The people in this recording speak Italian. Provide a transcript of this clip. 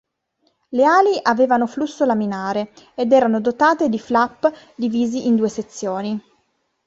Le ali avevano flusso laminare, ed erano dotate di flap divisi in due sezioni.